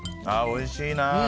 おいしいな。